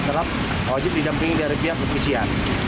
tetap wajib didampingi dari pihak petugas jaya